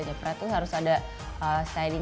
setelah itu harus ada stylingnya segala macam